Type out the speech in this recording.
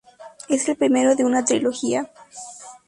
Es el primero de una trilogía.